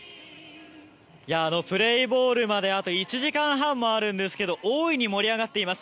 プレーボールまであと１時間半もあるんですけれども大いに盛り上がっています。